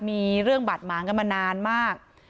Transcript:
มีเรื่องบาดหมางกันมานานมาก